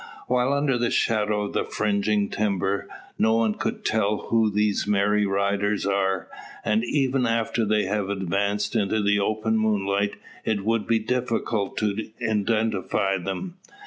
While under the shadow of the fringing timber, no one could tell who these merry riders are; and, even after they have advanced into the open moonlight, it would be difficult to identify them.